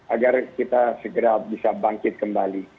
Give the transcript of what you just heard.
agar kita segera bisa bangkit kembali